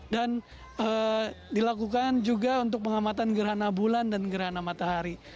dan dilakukan juga untuk pengamatan gerhana bulan dan gerhana matahari